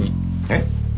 えっ？